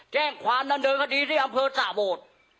แจ้งความดำเนินคดีที่อำเภอสะโบด